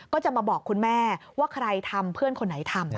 ก็จะมาบอกคุณแม่ว่าใครทำเพื่อนคนไหนทำ